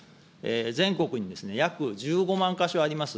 全国に約１５万か所あります